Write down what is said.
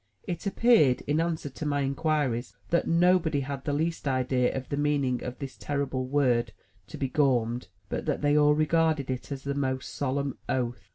It appeared, in answer to my inquiries, that nobody had the least idea of the meaning of this terrible word "to be gormed;" but that they all regarded it as a most solemn oath.